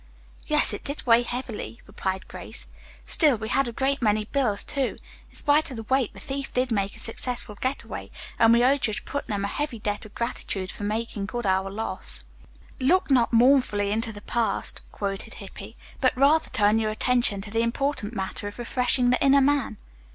"Yes, it did weigh heavily," replied Grace. "Still, we had a great many bills, too. In spite of the weight the thief did make a successful get away, and we owe Judge Putnam a heavy debt of gratitude for making good our loss." "'Look not mournfully into the past,'" quoted Hippy, "but rather turn your attention to the important matter of refreshing the inner man."